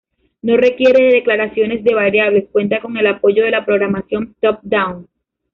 No requiere de declaraciones de variables, cuenta con el apoyo de la programación top-down.